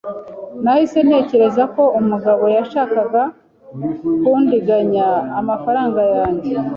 Nahise ntekereza ko umugabo yashakaga kundiganya amafaranga yanjye.